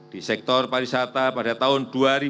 di sektor pariwisata pada tahun dua ribu dua puluh